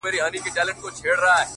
دوى خو _ له غمه څه خوندونه اخلي _